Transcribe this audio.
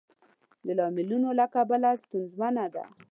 د لاملونو له کبله ستونزمنه ده.